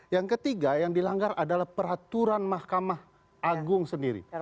yang ketiga yang dilanggar adalah peraturan mahkamah agung sendiri